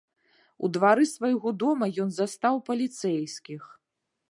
У двары свайго дома ён застаў паліцэйскіх.